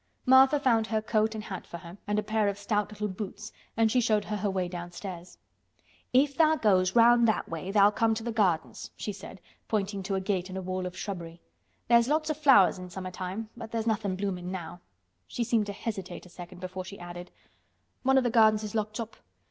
Martha found her coat and hat for her and a pair of stout little boots and she showed her her way downstairs. "If tha' goes round that way tha'll come to th' gardens," she said, pointing to a gate in a wall of shrubbery. "There's lots o' flowers in summer time, but there's nothin' bloomin' now." She seemed to hesitate a second before she added, "One of th' gardens is locked up.